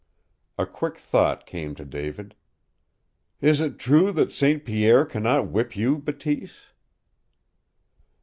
A quick thought came to David. "Is it true that St. Pierre can not whip you, Bateese?"